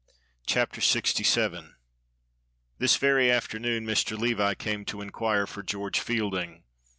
CHAPTER LXVII. THIS very afternoon Mr. Levi came to inquire for George Fielding.